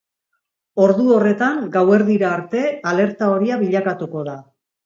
Ordu horretan gauerdira arte alerta horia bilakatuko da.